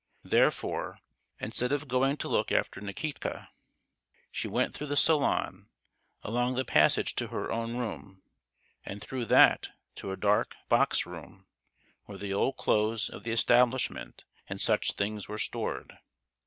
Therefore, instead of going to look after Nikitka, she went through the "Salon," along the passage to her own room, and through that to a dark box room, where the old clothes of the establishment and such things were stored.